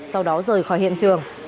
sau đó rời khỏi hiện trường